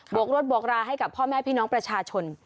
วกรถบวกราให้กับพ่อแม่พี่น้องประชาชน